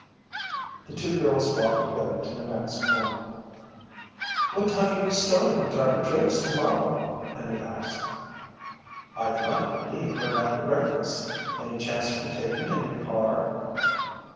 The two girls walked together to the next corner. "What time are you starting for Trapper Joe's tomorrow?" Penny asked. "I'd like to leave right after breakfast. Any chance you could take me in your car?"